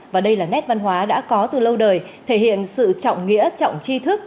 và đây là nét văn hóa đã có từ lâu đời thể hiện sự trọng nghĩa trọng chi thức